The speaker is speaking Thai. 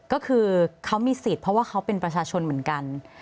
ก็คือเขามีสิทธิ์เพราะว่าเขาเป็นประชาชนเหมือนกัน